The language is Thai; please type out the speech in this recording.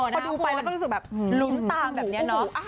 พอดูไปแล้วก็รู้สึกแบบลุ้นต่างหูอาหาร